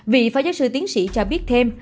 vị phó giáo sư tiến sĩ cho biết thêm